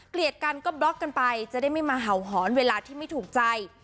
กันก็บล็อกกันไปจะได้ไม่มาเห่าหอนเวลาที่ไม่ถูกใจ